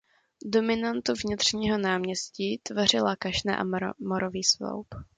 Dominantu vnitřního náměstí tvořila kašna a Morový sloup.